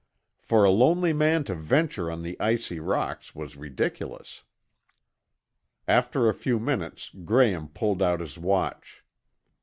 For a lonely man to venture on the icy rocks was ridiculous. After a few minutes Graham pulled out his watch.